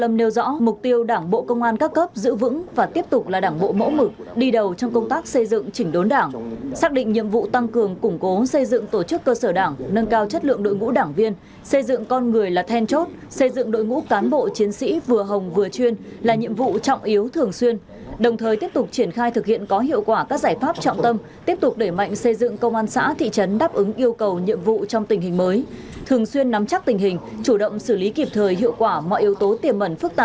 mục tiêu đảng bộ công an các cấp giữ vững và tiếp tục là đảng bộ mẫu mực đi đầu trong công tác xây dựng chỉnh đốn đảng xác định nhiệm vụ tăng cường củng cố xây dựng tổ chức cơ sở đảng nâng cao chất lượng đội ngũ đảng viên xây dựng con người là then chốt xây dựng đội ngũ cán bộ chiến sĩ vừa hồng vừa chuyên là nhiệm vụ trọng yếu thường xuyên đồng thời tiếp tục triển khai thực hiện có hiệu quả các giải pháp trọng tâm tiếp tục để mạnh xây dựng công an xã thị trấn đáp ứng yêu cầu nhiệm vụ